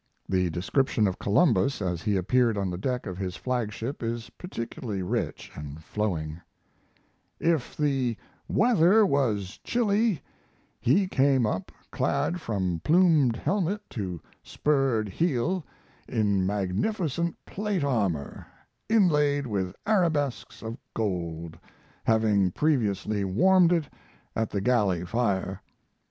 The description of Columbus as he appeared on the deck of his flag ship is particularly rich and flowing: If the weather was chilly he came up clad from plumed helmet to spurred heel in magnificent plate armor inlaid with arabesques of gold, having previously warmed it at the galley fire.